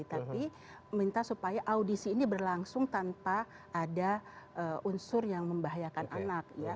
tapi minta supaya audisi ini berlangsung tanpa ada unsur yang membahayakan anak ya